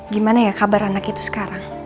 gimana ya kabar anak itu sekarang